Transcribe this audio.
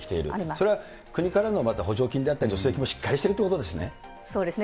それは国からの補助金であったり、助成金もしっかりしているということですね。